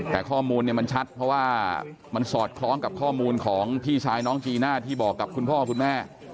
แต่ข้อมูลเนี่ยมันชัดเพราะว่ามันสอดคล้องกับข้อมูลของพี่ชายน้องจีน่าที่บอกกับคุณพ่อคุณแม่